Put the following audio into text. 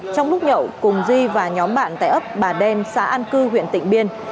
trong lúc nhậu cùng duy và nhóm bạn tại ấp bà đen xã an cư huyện tịnh biên